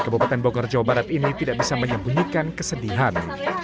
kabupaten bogor jawa barat ini tidak bisa menyembunyikan kesedihan